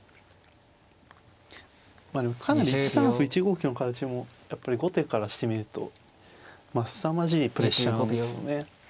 まあでもかなり１三歩１五香の形もやっぱり後手からしてみるとすさまじいプレッシャーなんですよね。